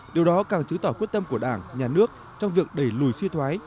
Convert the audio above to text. điều đó càng chứng tỏ quyết tâm của đảng nhà nước trong việc đẩy lùi suy thoái